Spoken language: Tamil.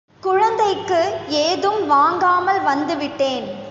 குழந்தைக்கு ஏதும் வாங்காமல் வந்து விட்டேன்.